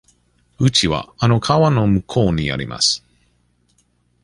うちはあの川の向こうにあります。